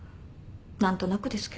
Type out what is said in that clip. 何となくですけど。